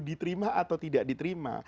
diterima atau tidak diterima